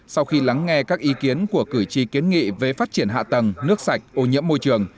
sau khi lắng nghe các ý kiến của cử tri kiến nghị về phát triển hạ tầng nước sạch ô nhiễm môi trường